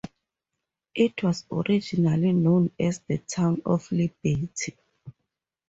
It was originally known as the town of Liberty.